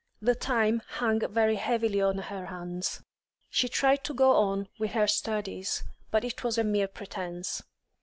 The time hung very heavily on her hands. She tried to go on with her studies, but it was a mere pretence.